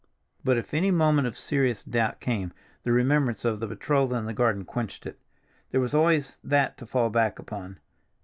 But if any moment of serious doubt came, the remembrance of the betrothal in the garden quenched it. There was always that to fall back upon.